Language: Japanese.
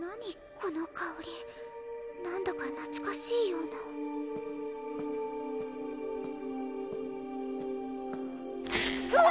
このかおりなんだかなつかしいようなうわ！